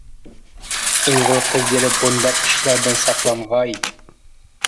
ئۇيغۇر قىزلىرى بۇنداق ئىشلار دىن ساقلانغاي!